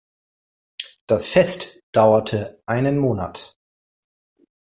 Das Fest dauerte einen Monat.